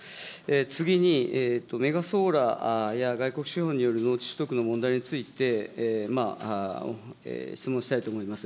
次にメガソーラーや外国資本による農地取得の問題について、質問したいと思います。